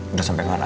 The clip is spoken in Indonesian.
udah sampe mana